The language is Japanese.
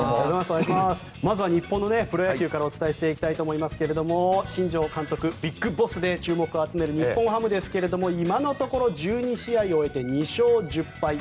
まずは日本のプロ野球からお伝えしていきたいと思いますが新庄監督、ＢＩＧＢＯＳＳで注目を集める日本ハムですが今のところ１２試合を終えて２勝１０敗。